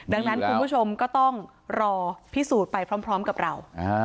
ดังนั้นคุณผู้ชมก็ต้องรอพิสูจน์ไปพร้อมกับเรา